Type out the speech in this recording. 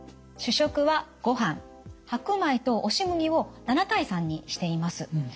主食はごはん白米と押し麦を７対３にしています。